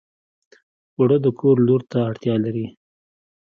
اوړه د کور لور ته اړتیا لري